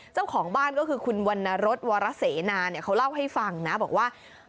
เจ้าของบ้านก็คือคุณวรรณรสวรเสนาเนี่ยเขาเล่าให้ฟังนะบอกว่า